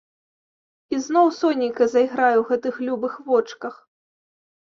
І зноў сонейка зайграе ў гэтых любых вочках.